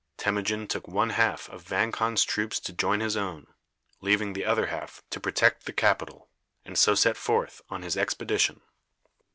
Temujin took one half of Vang Khan's troops to join his own, leaving the other half to protect the capital, and so set forth on his expedition.